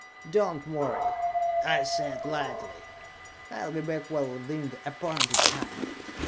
"Don't worry," I said lightly. "I'll be back well within the appointed time."